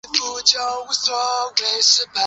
海悦国际是来自新加坡的酒店集团。